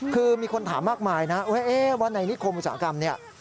คือมีคนถามมากมายนะว่าในนิคมอุตสาหกรรมเนี่ย